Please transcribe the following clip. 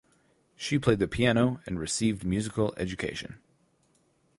She played the piano and received musical education.